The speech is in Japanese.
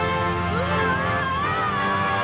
うわ！